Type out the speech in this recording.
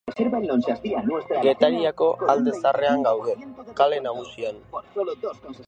Getariako Alde Zaharrean daude, Kale Nagusian.